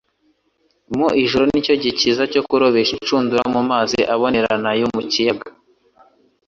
Mu ijoro, ni cyo gihe cyiza cyo kurobesha inshurudura mu mazi abonerana yo mu kiyaga.